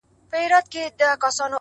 • د شاعرۍ ياري كړم؛